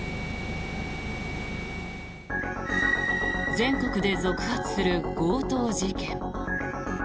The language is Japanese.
全国で続発する強盗事件。